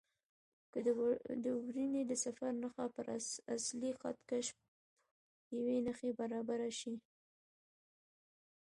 که د ورنیې د صفر نښه پر اصلي خط کش یوې نښې برابره شي.